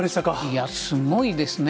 いや、すごいですね。